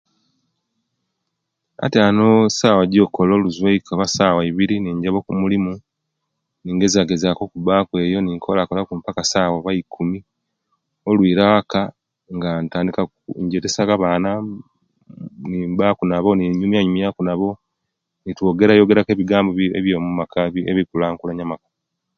Atyaanu esawa ejokukola oluzwe'ika esawa iibiri ninjaba okumulimo ningezyagezyaku okubaaku eyo ninkolakolaku mpaka sawa oba iikumi olwiira aaka nga ntandinka ninjetesyaku na'baana nimbaaku nabo ninyumyanyumya naabo nitwogerageraku ebigambo ebyo'mukka ekikulakulana amakka